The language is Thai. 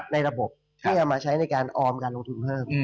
ในระบบที่จะมาใช้ในการออมการลงทุนเพิ่ม